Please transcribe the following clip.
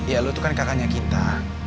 ya lu tuh kan kakaknya kinta